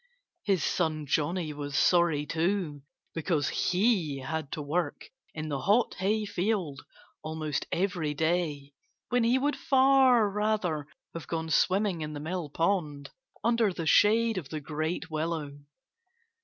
His son Johnnie was sorry, too because he had to work in the hot hayfield almost every day, when he would far rather have gone swimming in the mill pond, under the shade of the great willow.